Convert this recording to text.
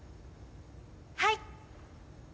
はい。